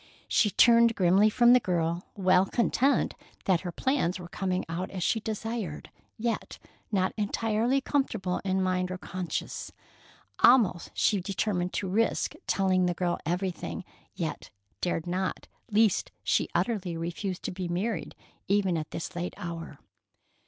She turned grimly from the girl, well content that her plans were coming out as she desired, yet not entirely comfortable in mind or conscience. Almost she determined to risk telling the girl everything, yet dared not, lest she utterly refuse to be married even at this late hour.